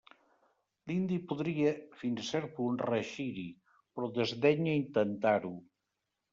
L'indi podria fins a cert punt reeixir-hi, però desdenya intentar-ho.